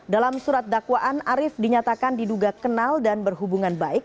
dalam surat dakwaan arief dinyatakan diduga kenal dan berhubungan baik